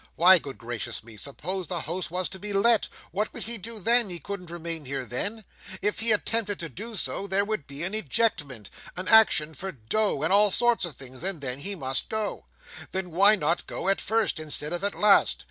Why, good gracious me, suppose the house was to be let! What would he do then? He couldn't remain here then. If he attempted to do so, there would be an ejectment, an action for Doe, and all sorts of things; and then he must go. Then why not go at first instead of at last?